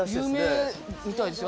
有名みたいですよ。